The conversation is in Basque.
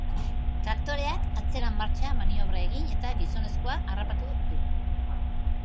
Traktoreak atzera-martxa maniobra egin eta gizonezkoa harrapatu du.